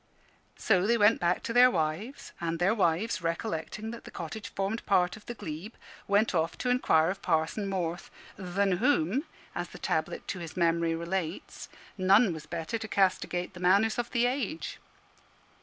So they went back to their wives; and their wives, recollecting that the cottage formed part of the glebe, went off to inquire of Parson Morth, "than whom," as the tablet to his memory relates, "none was better to castigate the manners of the age."